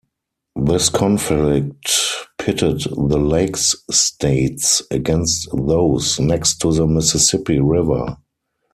This conflict pitted the lakes states against those next to the Mississippi River.